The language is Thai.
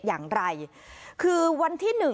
อย่างไรคือวันที่๑